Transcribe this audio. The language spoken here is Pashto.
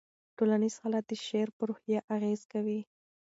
ټولنیز حالات د شاعر په روحیه اغېز کوي.